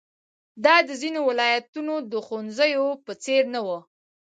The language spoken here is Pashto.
دا د ځینو ولایتونو د ښوونځیو په څېر نه وه.